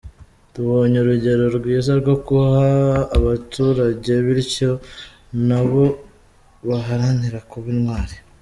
Tubonye urugero rwiza rwo guha abaturage bityo na bo baharanire kuba intwari”.